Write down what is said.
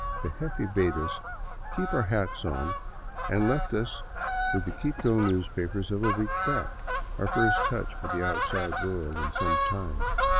The jefe bade us keep our hats on, and left us with the Quito newspapers of a week back, our first touch with the outside world in some time.